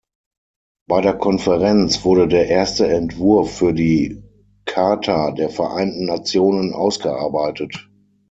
Bei der Konferenz wurde der erste Entwurf für die Charta der Vereinten Nationen ausgearbeitet.